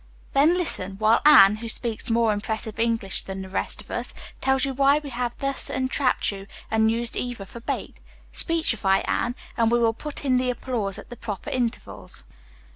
"Then listen, while Anne, who speaks more impressive English than the rest of us, tells you why we have thus entrapped you and used Eva for a bait. Speechify, Anne, and we will put in the applause at the proper intervals."